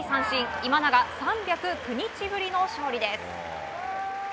今永、３０９日ぶりの勝利です。